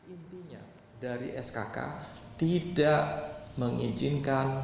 intinya dari skk tidak mengizinkan